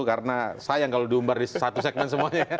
karena sayang kalau diumbar di satu segmen semuanya